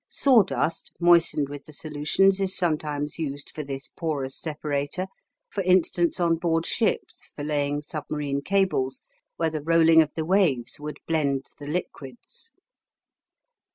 Sawdust moistened with the solutions is sometimes used for this porous separator, for instance, on board ships for laying submarine cables, where the rolling of the waves would blend the liquids.